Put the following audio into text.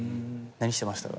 何してました？